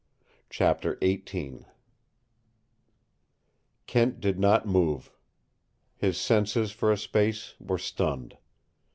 CHAPTER XVIII Kent did not move. His senses for a space were stunned.